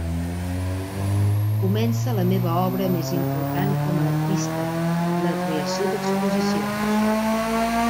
Comença la meva obra més important com a artista: la creació d'exposicions.